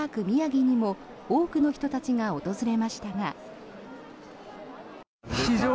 宮城にも多くの人たちが訪れましたが。